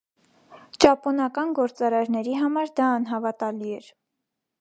Ճապոնական գործարարների համար դա անհավատալի էր։